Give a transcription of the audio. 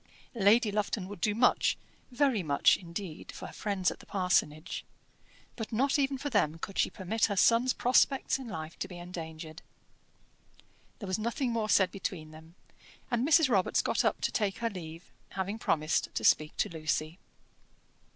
Lady Lufton would do much, very much, indeed, for her friends at the parsonage; but not even for them could she permit her son's prospects in life to be endangered. There was nothing more said between them, and Mrs. Robarts got up to take her leave, having promised to speak to Lucy.